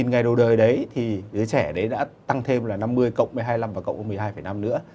một ngày đầu đời đấy thì đứa trẻ đấy đã tăng thêm là năm mươi cộng với hai mươi năm và cộng với một mươi hai năm nữa